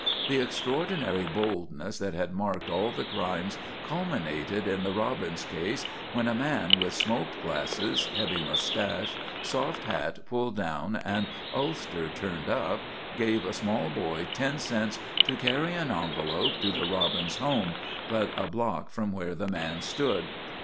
The extraordinary boldness that had marked all the crimes culminated in the Robbins case when a man, with smoked glasses, heavy moustache, soft hat pulled down and ulster turned up, gave a small boy ten cents to carry an envelope to the Robbins home, but a block from where the man stood.